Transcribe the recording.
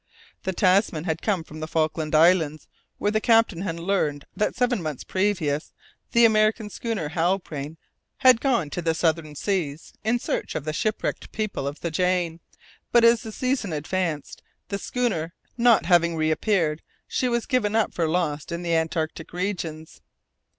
The Tasman had come from the Falkland Islands where the captain had learned that seven months previously the American schooner Halbrane had gone to the southern seas in search of the shipwrecked people of the Jane. But as the season advanced, the schooner not having reappeared, she was given up for lost in the Antarctic regions.